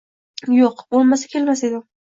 yo‘q. Bo‘lmasa, kelmas edim...